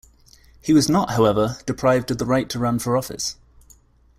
He was not, however, deprived of the right to run for office.